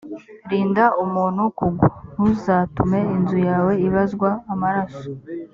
rinda umuntu kugwa: ntuzatume inzu yawe ibazwa amaraso